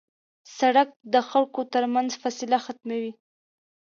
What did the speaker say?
سړک د خلکو تر منځ فاصله ختموي.